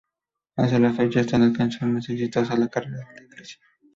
Hasta la fecha esta es la canción más exitosa en la carrera de Iglesias.